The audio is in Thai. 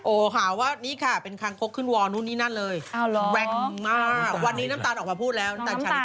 โอ้โหหาว่านี่ค่ะเป็นคางคกขึ้นวอลนู่นนี่นั่นเลยแว่งมากวันนี้น้ำตาลออกมาพูดแล้ว